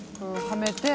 はめて。